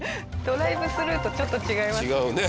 ドライブスルーとちょっと違いますね。